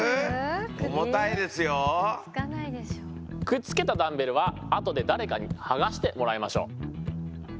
くっつけたダンベルはあとで誰かに剥がしてもらいましょう。